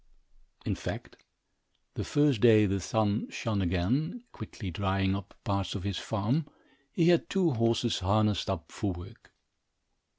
In fact, the first day the sun shone again, quickly drying up parts of his farm, he had two horses harnessed up for work.